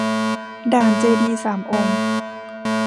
ด่านเจดีย์สามองค์